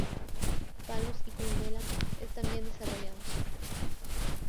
Palus y columela están bien desarrollados.